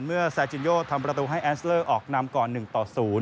เมื่อแซจินโยร์ดทำประตูให้แอนส์เซลล์ออกนำก่อน๑ต่อ๐